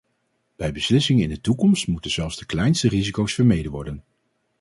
Bij beslissingen in de toekomst moeten zelfs de kleinste risico's vermeden worden.